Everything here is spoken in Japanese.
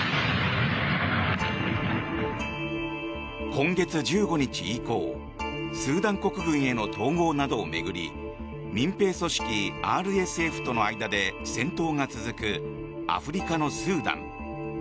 今月１５日以降スーダン国軍への統合などを巡り民兵組織ＲＳＦとの間で戦闘が続くアフリカのスーダン。